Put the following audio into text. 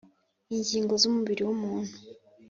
Ingingo z umubiri w umuntu